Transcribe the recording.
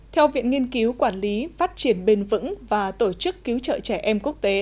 theo viện nghiên cứu quản lý phát triển bền vững và tổ chức cứu trợ trẻ em quốc tế